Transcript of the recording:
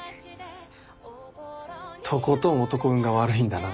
とことん男運が悪いんだな。